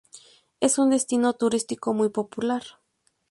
Es un destino turístico muy popular.